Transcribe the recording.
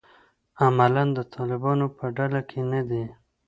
عملاً د طالبانو په ډله کې نه دي.